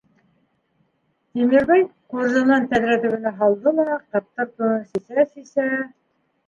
Тимербай ҡуржынын тәҙрә төбөнә һалды ла ҡыптыр тунын сисә-сисә: